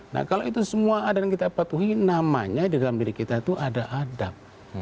nah kalau itu semua ada yang kita patuhi namanya di dalam diri kita itu ada adab